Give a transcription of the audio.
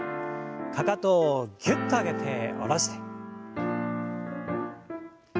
かかとをぎゅっと上げて下ろして。